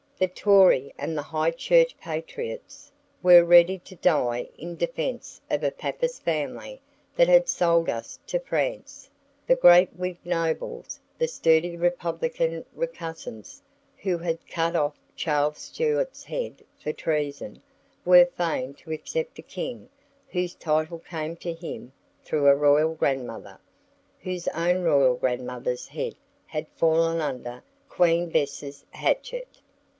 The Tory and High Church patriots were ready to die in defence of a Papist family that had sold us to France; the great Whig nobles, the sturdy republican recusants who had cut off Charles Stuart's head for treason, were fain to accept a king whose title came to him through a royal grandmother, whose own royal grandmother's head had fallen under Queen Bess's hatchet.